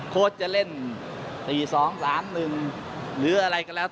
โค้ชจะเล่นสี่สองสามหนึ่งหรืออะไรก็แล้ว